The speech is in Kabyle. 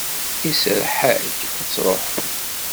Iserreḥ-ak ad truḥeḍ.